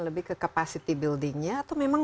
lebih ke kapasiti building nya atau memang